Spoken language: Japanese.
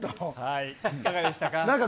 いかがでしたか？